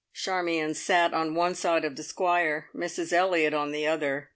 Charmion sat on one side of the Squire, Mrs Elliott on the other.